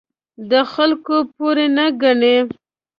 د خلکو پور نه ګڼي.